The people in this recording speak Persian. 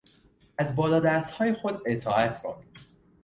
از بالا دستهای خود اطاعت کن.